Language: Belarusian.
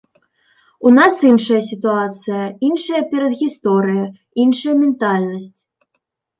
У нас іншая сітуацыя, іншая перадгісторыя, іншая ментальнасць.